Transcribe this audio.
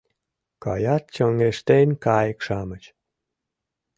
Каят чоҥештен кайык-шамыч